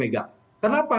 jakarta untuk verg sowak